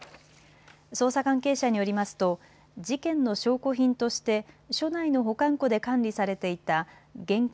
捜査関係者によりますと事件の証拠品として署内の保管庫で管理されていた現金